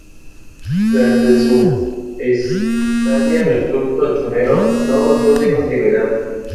Fue líder fundador del partido Bandera Roja.